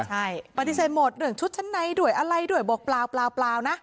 ใช่ปฏิเสธหมดเรื่องชุดชั้นในด้วยอะไรด้วยบอกเปล่านะ